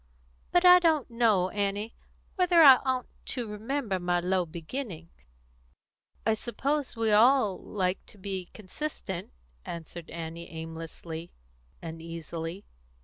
But I don't know, Annie, whether I oughtn't to remember my low beginnings." "I suppose we all like to be consistent," answered Annie aimlessly, uneasily.